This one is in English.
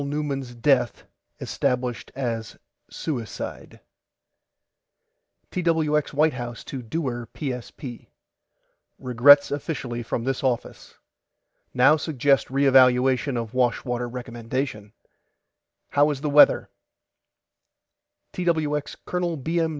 NEUMAN'S DEATH ESTABLISHED AS SUICIDE TWX WHITE HOUSE TO DEWAR PSP: REGRETS OFFICIALLY FROM THIS OFFICE NOW SUGGEST RE EVALUATION OF WASHWATER RECOMMENDATION HOW IS THE WEATHER TWX COL. B. M.